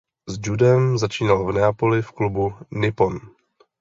S judem začínal v Neapoli v klubu Nippon.